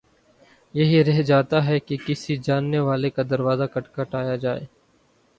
یہی رہ جاتا ہے کہ کسی جاننے والے کا دروازہ کھٹکھٹایا جائے۔